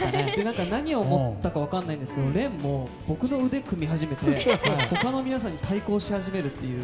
何を思ったか分かりませんが廉も僕の腕を組み始めて他の皆さんに対抗し始めるっていう。